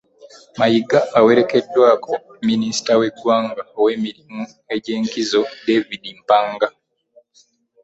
Mayiga awerekeddwako minisita wa Buganda ow'emirimu egy'enkizo, David Mpanga